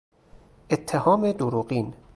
اتهام دروغین